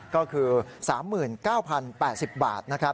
ก็คือ๓๙๐๘๐บาท